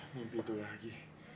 mimpi itu lagi